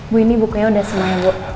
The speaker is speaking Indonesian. bu ini bukunya udah semuanya bu